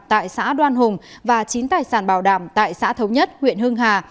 tại xã đoan hùng và chín tài sản bảo đảm tại xã thống nhất huyện hưng hà